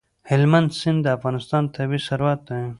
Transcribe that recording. هلمند سیند د افغانستان طبعي ثروت دی.